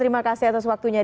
terima kasih atas waktunya